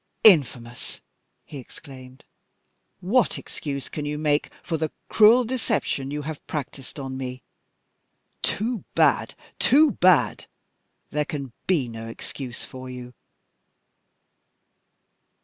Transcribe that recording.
"Infamous!" he exclaimed. "What excuse can you make for the cruel deception you have practiced on me? Too bad! too bad! There can be no excuse for you!"